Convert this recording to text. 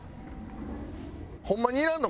ホンマにいらんの？